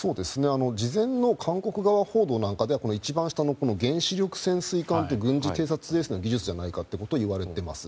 事前の韓国側報道なんかでは原子力潜水艦と軍事偵察衛星の技術じゃないかといわれています。